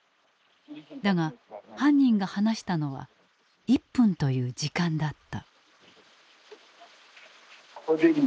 だが犯人が話したのは「１分」という時間だった。